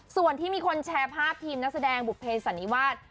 ส่วนที่มีคนแชร์ภาพทีมนักแสดงบุภเสันนิวาส